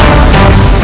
aku akan menang